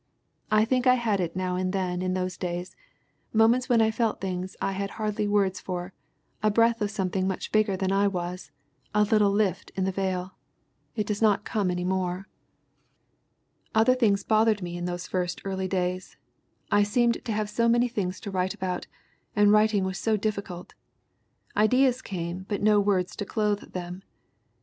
I think I had it now and then in those days, moments when I felt things I had hardly words for, a breath of something much bigger than I was, a little lift in the veil. "It does not come any more. 66 THE WOMEN WHO MAKE OUR NOVELS "Other things bothered me in those first early days. I seemed to have so many things to write about, and writing was so difficult Ideas came, but no words to clothe them.